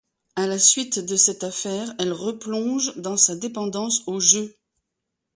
À la suite de cette affaire, elle replonge dans sa dépendance aux jeux.